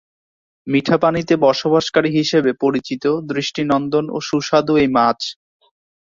মিঠা পানিতে বসবাসকারী হিসেবে পরিচিত, দৃষ্টিনন্দন ও সুস্বাদু এই মাছ।